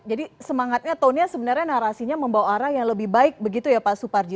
jadi semangatnya tonenya sebenarnya narasinya membawa arah yang lebih baik begitu ya pak suparji